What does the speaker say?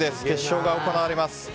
決勝が行われます。